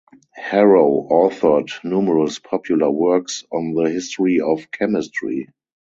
Harrow authored numerous popular works on the history of chemistry.